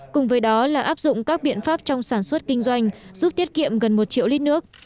cùng với đó là áp dụng các biện pháp trong sản xuất kinh doanh giúp tiết kiệm gần một triệu lít nước